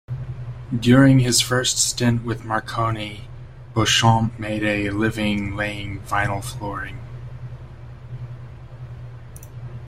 During his first stint with Marconi, Beauchamp made a living laying vinyl flooring.